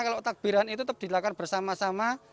kalau takbiran itu tetap dilakukan bersama sama